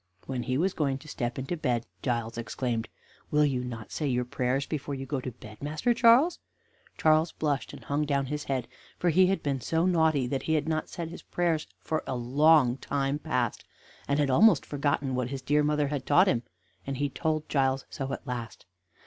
When he was going to step into bed, Giles exclaimed: "Will you not say your prayers before you go to bed, Master Charles?" Charles blushed and hung down his head, for he had been so naughty that he had not said his prayers for a long time past, and had almost forgotten what his dear mother had taught him; and he told Giles so at last.